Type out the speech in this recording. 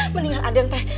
mendingan ada yang teh